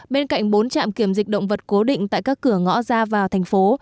bên cạnh bốn trạm kiểm dịch động vật cố định tại các cửa ngõ ra vào tp hcm